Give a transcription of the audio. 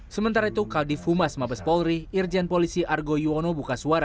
sementara itu kadif humas mabes polri irjen polisi argo yuwono buka suara